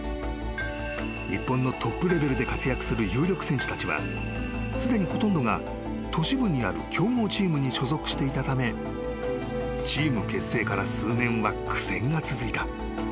［日本のトップレベルで活躍する有力選手たちはすでにほとんどが都市部にある強豪チームに所属していたためチーム結成から数年は苦戦が続いた］